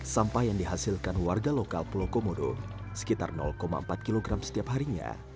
sampah yang dihasilkan warga lokal pulau komodo sekitar empat kg setiap harinya